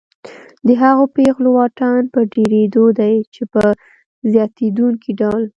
د هغو پیغلو واټن په ډېرېدو دی چې په زیاتېدونکي ډول